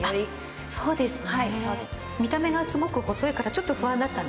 そうですね。